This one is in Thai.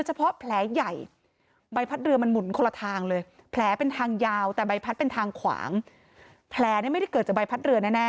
สันนิษฐานว่าโดนใบพัด